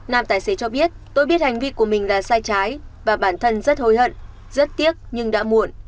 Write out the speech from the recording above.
nam tài xế cho biết tôi biết hành vi của mình là sai trái và bản thân rất hối hận rất tiếc nhưng đã muộn